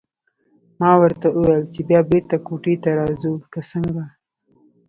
ما ورته وویل چې بیا بېرته کوټې ته راځو که څنګه.